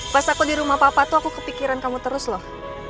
pas aku di rumah papa tuh aku kepikiran kamu terus loh